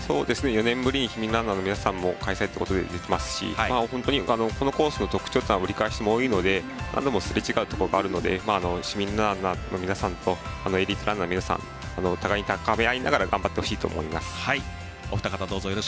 ４年ぶりに市民ランナーの皆さんも出ていますし本当にこのコースの特徴で折り返しも多いので何度もすれ違うところがあるので市民ランナーの皆さんとエリートランナーの皆さんお互いに高め合いながら出てもらえればと思います。